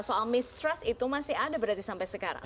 soal mistrust itu masih ada berarti sampai sekarang